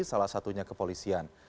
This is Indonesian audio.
salah satunya kepolisian